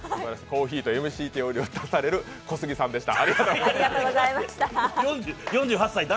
コーヒーとＭＣＴオイルを足される小杉さんでした。